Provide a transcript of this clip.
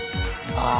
ああ